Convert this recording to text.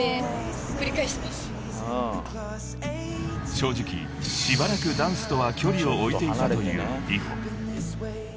［正直しばらくダンスとは距離を置いていたというＲｉｈｏ］